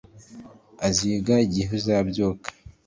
Aziga igihe uzabyuka